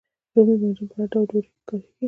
رومي بانجان په هر ډول ډوډۍ کې کاریږي.